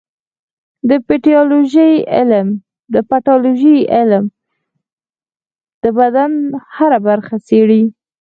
د پیتالوژي علم د بدن هره برخه څېړي.